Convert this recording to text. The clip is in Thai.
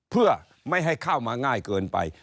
เพื่อไม่ให้เข้ามาง่ายเกินไป